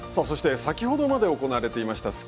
そして、先ほどまで行われていました